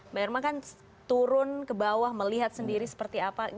mbak irma kan turun ke bawah melihat sendiri seperti apa